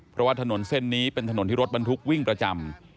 เพราะว่าถนนเส้นนี้เป็นถนนที่รถบรรทุกวิ่งประจำ